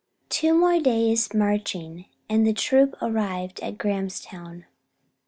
Two more days' marching and the troop arrived at Grahamstown.